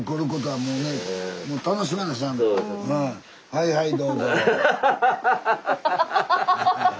はいはいどうぞ。